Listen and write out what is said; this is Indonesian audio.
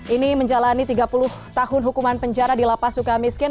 ini menjalani tiga puluh tahun hukuman penjara di lapas suka miskin